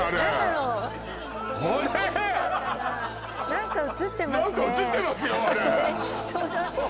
何か写ってますよ